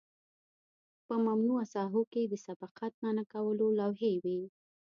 په ممنوعه ساحو کې د سبقت منع کولو لوحې وي